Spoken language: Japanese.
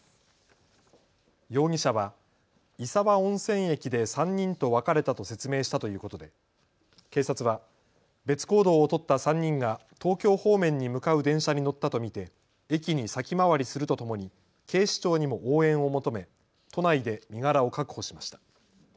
容疑者は石和温泉駅で３人と別れたと説明したということで警察は別行動を取った３人が東京方面に向かう電車に乗ったと見て駅に先回りするとともに警視庁にも応援を求め都内で身柄を確保しました。